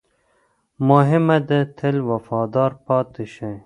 مهمه ده، تل وفادار پاتې شئ.